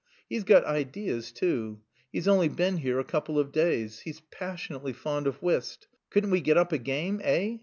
He's got ideas too. He's only been here a couple of days. He's passionately fond of whist; couldn't we get up a game, eh?